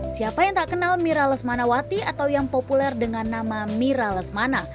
siapa yang tak kenal mira lesmanawati atau yang populer dengan nama mira lesmana